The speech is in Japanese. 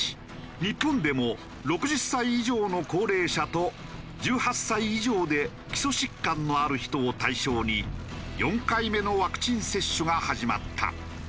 日本でも６０歳以上の高齢者と１８歳以上で基礎疾患のある人を対象に４回目のワクチン接種が始まった。